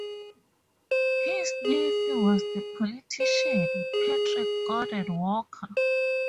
His nephew was the politician Patrick Gordon Walker.